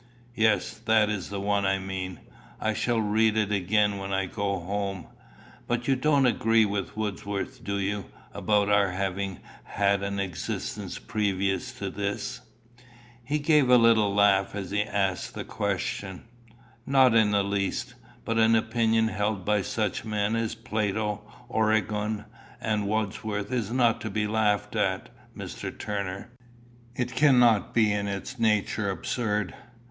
'" "Yes, that is the one I mean. I shall read it again when I go home. But you don't agree with Wordsworth, do you, about our having had an existence previous to this?" He gave a little laugh as he asked the question. "Not in the least. But an opinion held by such men as Plato, Origen, and Wordsworth, is not to be laughed at, Mr. Turner. It cannot be in its nature absurd.